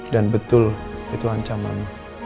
dan betul itu ancaman